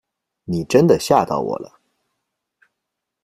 你真的吓到我了